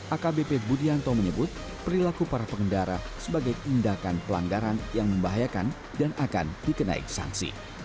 akbp budianto menyebut perilaku para pengendara sebagai tindakan pelanggaran yang membahayakan dan akan dikenai sanksi